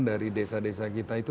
dari desa desa kita itu